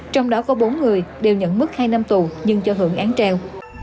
trong đó có bốn người đều nhận mức hai năm tù nhưng cho hưởng án treo